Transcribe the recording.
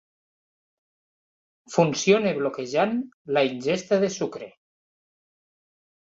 Funciona bloquejant la ingesta de sucre.